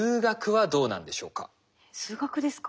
数学ですか？